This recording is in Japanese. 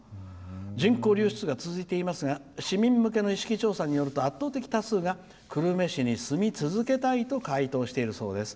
「人口流出が続いていますが、市民向けの意識調査によると圧倒的多数が久留米市に住み続けたいと回答しているそうです。